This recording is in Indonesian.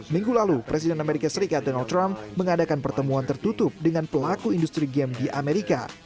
minggu lalu presiden amerika serikat donald trump mengadakan pertemuan tertutup dengan pelaku industri game di amerika